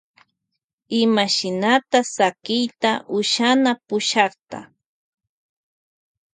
Imashnata shakiyta ushana pushakta.